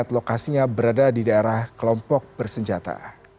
lokasinya berada di daerah kelompok bersenjata